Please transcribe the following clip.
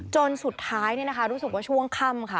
จนสุดท้ายเนี่ยนะคะรู้สึกว่าช่วงค่ำค่ะ